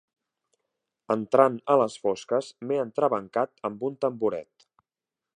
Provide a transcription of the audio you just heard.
Entrant a les fosques m'he entrebancat amb un tamboret.